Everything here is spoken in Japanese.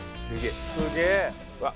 すげえ。